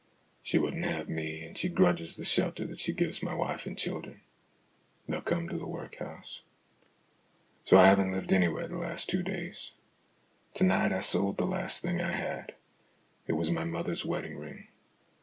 She wouldn't have me, and she grudges the shelter that she gives my wife and children ; they'll come to the workhouse. So I haven't lived anywhere the last two days. To night I sold the last thing I had. It was my mother's wedding ring.